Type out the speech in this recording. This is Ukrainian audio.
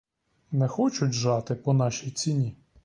Не хочуть жати по нашій ціні.